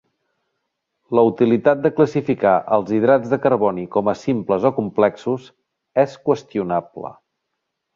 La utilitat de classificar els hidrats de carboni com a simples o complexos és qüestionable.